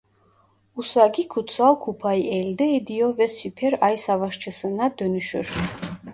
Usagi Kutsal Kupa'yı elde ediyor ve Süper Ay Savaşçısı'na dönüşür.